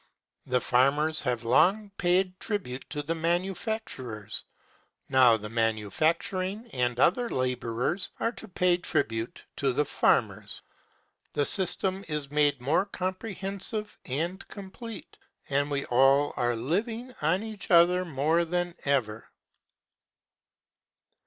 The farmers have long paid tribute to the manufacturers; now the manufacturing and other laborers are to pay tribute to the farmers. The system is made more comprehensive and complete, and we all are living on each other more than ever.